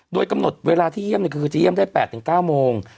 โดยกำหนดเวลาที่เยี่ยมก็คือจะเยี่ยมได้๘๙โมง